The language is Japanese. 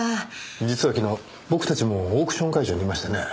実は昨日僕たちもオークション会場にいましてね。